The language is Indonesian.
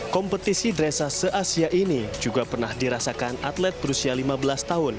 kompetisi dresa se asia ini juga pernah dirasakan atlet berusia lima belas tahun